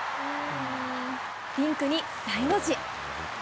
リンクに大の字。